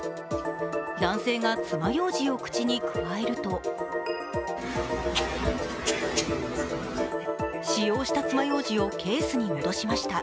男性が爪ようじを口にくわえると使用した爪ようじをケースに戻しました。